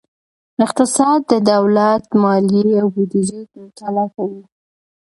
اقتصاد د دولت مالیې او بودیجه مطالعه کوي.